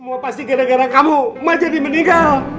semua pasti gara gara kamu emak jadi meninggal